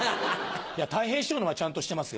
たい平師匠のはちゃんとしてます。